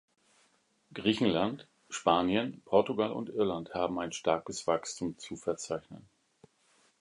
Griechenland, Spanien, Portugal und Irland haben ein starkes Wachstum zu verzeichnen.